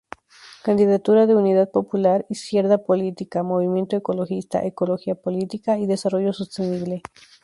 Candidatura de Unidad Popular, Izquierda Politica, Movimiento ecologista, Ecología política, Desarrollo sostenible.